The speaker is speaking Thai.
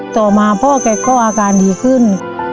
ต่อมาพ่อแกก็อาการดีขึ้น